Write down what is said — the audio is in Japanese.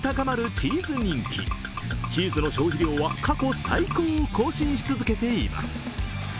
チーズの消費量は過去最高を更新し続けています。